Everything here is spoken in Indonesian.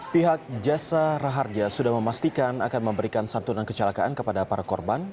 pihak jasa raharja sudah memastikan akan memberikan santunan kecelakaan kepada para korban